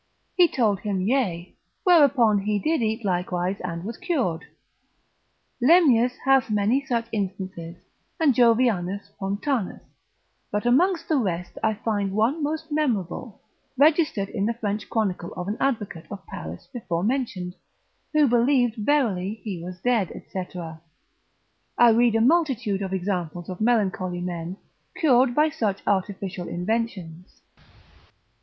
He told him yea; whereupon he did eat likewise and was cured. Lemnius, lib. 2. cap. 6. de 4. complex, hath many such instances, and Jovianus Pontanus, lib. 4. cap. 2. of Wisd. of the like; but amongst the rest I find one most memorable, registered in the French chronicles of an advocate of Paris before mentioned, who believed verily he was dead, &c. I read a multitude of examples of melancholy men cured by such artificial inventions.